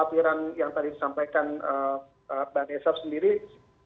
saya kira yang penting juga adalah ini jadi pekerjaan rumah pemangku kepentingan terkait dengan arus balik ini ya